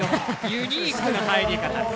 ユニークな入り方。